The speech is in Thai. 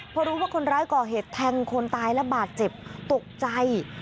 พอรู้ว่าคนร้ายก่อเหตุแทงคนตายและบาดเจ็บตกใจ